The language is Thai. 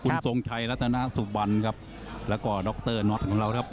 คุณทรงชัยรัตนาสุวรรณครับแล้วก็ดรน็อตของเราครับ